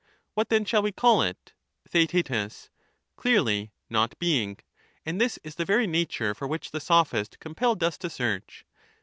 What then shall we call it ? TheaeL Clearly, not being ; and this is the very nature for which the Sophist compelled us to search.